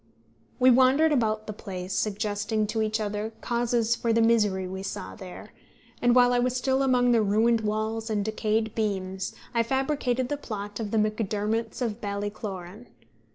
We wandered about the place, suggesting to each other causes for the misery we saw there, and while I was still among the ruined walls and decayed beams I fabricated the plot of The Macdermots of Ballycloran.